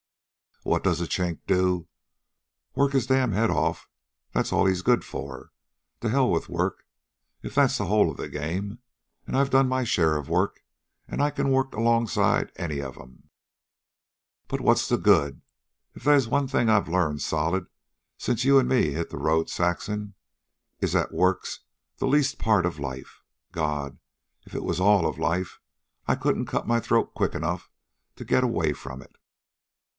What does a Chink do? Work his damned head off. That's all he's good for. To hell with work, if that's the whole of the game an' I've done my share of work, an' I can work alongside of any of 'em. But what's the good? If they's one thing I've learned solid since you an' me hit the road, Saxon, it is that work's the least part of life. God! if it was all of life I couldn't cut my throat quick enough to get away from it.